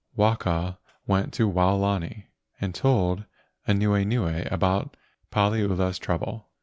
Waka went to Waolani and told Anuenue about Paliula's trouble.